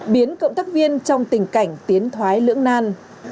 biến cộng tác viên trong tình cảnh tiến thoái lưỡng nan